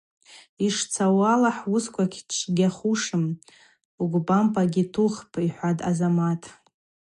Йшцауала, хӏуысква гьчвгьахушым, угвбампӏагьи тухпӏ, – йхӏватӏ Азамат.